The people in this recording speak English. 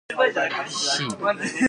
He then sailed to Haiti.